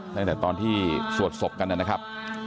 ตั้งแต่ตอนที่สวดศพกันนะครับ